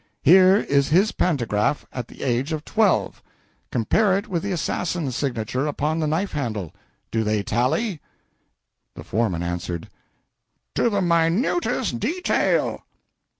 Here is his pantograph at the age of twelve. Compare it with the assassin's signature upon the knife handle. Do they tally?" The foreman answered "To the minutest detail!"